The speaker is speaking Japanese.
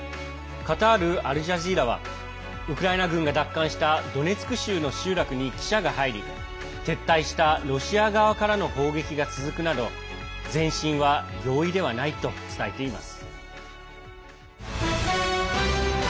カタール・アルジャジーラはウクライナ軍が奪還したドネツク州の集落に記者が入り撤退したロシア側からの砲撃が続くなど前進は容易ではないと伝えています。